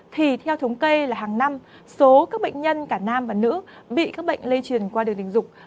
thì theo thống kê là hàng năm số các bệnh nhân cả nam và nữ bị các bệnh lây truyền qua đường tình dục